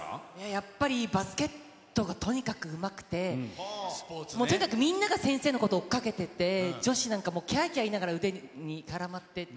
やっぱりバスケットがとにかくうまくて、もうとにかくみんなが先生のこと追っかけてて、女子なんかもうきゃーきゃー言いながら腕に絡まってって。